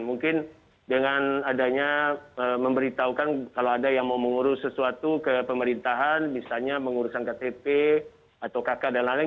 mungkin dengan adanya memberitahukan kalau ada yang mau mengurus sesuatu ke pemerintahan misalnya mengurusan ktp atau kk dan lain lain